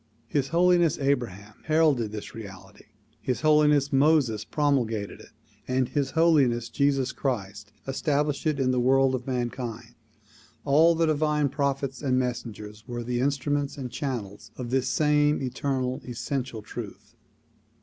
His Holiness Abraham heralded this reality. His Holiness Moses promulgated it and His Holiness Jesus Christ established it in the world of mankind. All the divine prophets and messengers were the instruments and channels of this same eternal, essential truth.